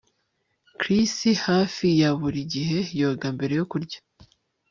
Chris hafi ya buri gihe yoga mbere yo kurya